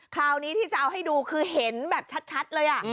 คราวนี้ที่จะเอาให้ดูคือเห็นแบบชัดเลย